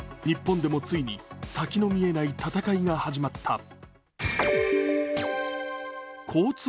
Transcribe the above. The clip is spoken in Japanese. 日本でもついに先の見えない闘いが始まった。